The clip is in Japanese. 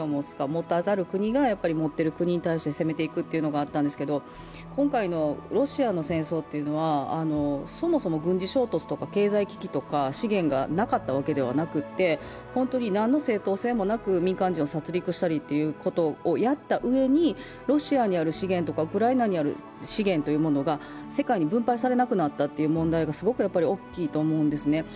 持たざる国が持ってる国に対して攻めていくというのがあったんですけれども、今回のロシアの戦争というのは、そもそも軍事衝突とか経済危機とか、資源がなかったわけではなくて、何の正当性もなく民間人を殺りくしたりということをやった上に、ロシアにある資源とかウクライナにある資源が世界に分配されなくなったという問題がすごく大きいと思うんです。